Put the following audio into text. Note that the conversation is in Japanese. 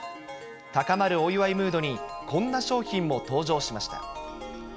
高まるお祝いムードに、こんな商品も登場しました。